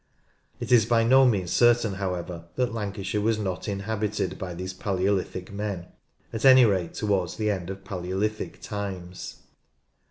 It is by no means certain however that Lancashire was not inhabited by these Palaeolithic men, at any rate towards the end of Palaeolithic times.